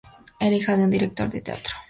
Era hija de un director de teatro.